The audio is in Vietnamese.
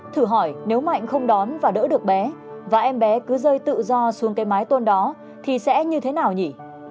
thử hỏi nếu mạnh không đón và đỡ được bé và em bé cứ rơi tự do xuống cái mái tôn đó thì sẽ như thế nào nhỉ